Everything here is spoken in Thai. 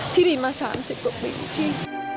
ที่นี่มา๓๐กว่าปีที่